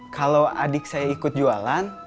kalau adik saya ikut jualan